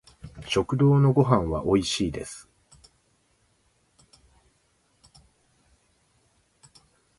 食堂のご飯は美味しいです